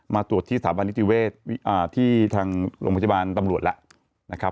มาตรวจที่สถาบันอิทธิเวศที่ทางโรงพยาบาลตำรวจล่ะ